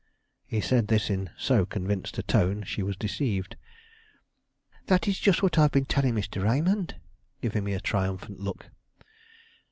He said this in so convinced a tone she was deceived. "That is just what I have been telling Mr. Raymond," giving me a triumphant look.